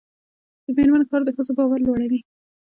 د میرمنو کار د ښځو باور لوړوي.